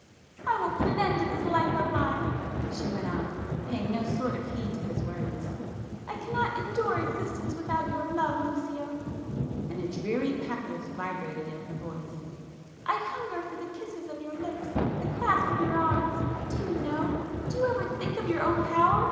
"I will put an end to this life of mine;" she went on, paying no sort of heed to his words—"I cannot endure existence without your love, Lucio!" and a dreary pathos vibrated in her voice—"I hunger for the kisses of your lips,—the clasp of your arms! Do you know—do you ever think of your own power?